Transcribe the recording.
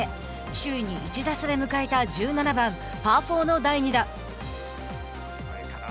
首位に１打差で迎えた１７番、パー４の第２打。